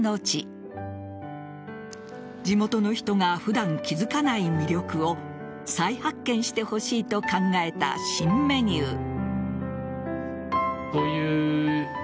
地元の人が普段気づかない魅力を再発見してほしいと考えた新メニュー。